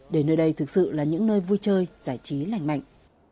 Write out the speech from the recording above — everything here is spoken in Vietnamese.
để nơi đây thực sự là những nơi vui chơi giải trí lành mạnh